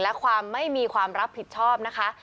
และความไม่มีความรับผิดชอบนะคะ